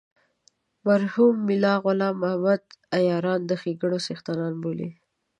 مرحوم میر غلام محمد غبار عیاران د ښیګڼو څښتنان بولي.